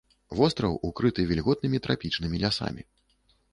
Востраў укрыты вільготнымі трапічнымі лясамі.